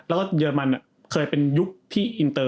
แล้วก็เยอรมันเคยเป็นยุคที่อินเตอร์